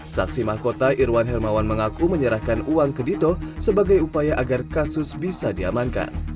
saksi mahkota irwan hermawan mengaku menyerahkan uang ke dito sebagai upaya agar kasus bisa diamankan